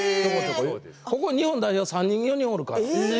ここに日本代表３人おるから。